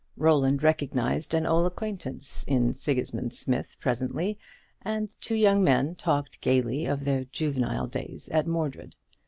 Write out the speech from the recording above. Roland recognized an old acquaintance in Sigismund Smith presently, and the two young men talked gaily of those juvenile days at Mordred.